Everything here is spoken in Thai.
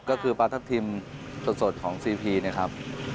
ก็คือปลาทับทิมสดของซีพีนะครับ